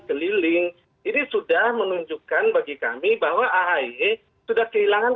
keliling ini sudah menunjukkan bagi kami bahwa ahy sudah kehilangan